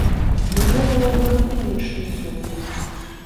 Не грэбаваў ён і меншымі сумамі.